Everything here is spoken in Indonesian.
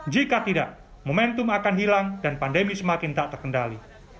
jika tidak momentum akan hilang dan pandemi semakin tak terkendali